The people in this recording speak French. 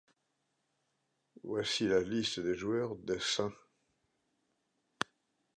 Voici la liste des joueurs des St.